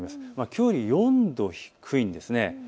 きょうより４度低いんです。